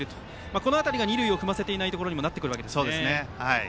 このあとが二塁を踏ませていないところにもなってきますね。